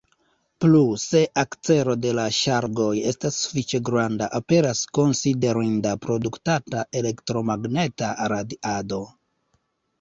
Plu, se akcelo de la ŝargoj estas sufiĉe granda, aperas konsiderinda produktata elektromagneta radiado.